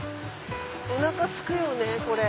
おなかすくよねこれ。